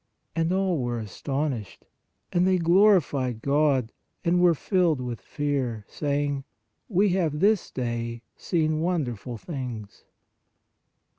And all were astonished; and they glorified God, and were filled with fear, saying: We have this day seen wonderful things."